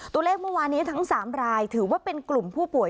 เมื่อวานนี้ทั้ง๓รายถือว่าเป็นกลุ่มผู้ป่วย